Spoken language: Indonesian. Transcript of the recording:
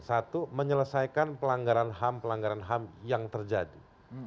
satu menyelesaikan pelanggaran ham pelanggaran ham yang terjadi